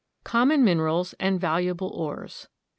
COMMON MINERALS AND VALUABLE ORES.